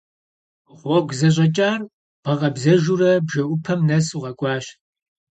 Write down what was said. Гъуэгу зэщӀэкӀар бгъэкъэбзэжурэ, бжэӀупэм нэс укъэкӀуащ.